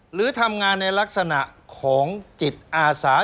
หรือทำงานในลักษณะของจิตอาสา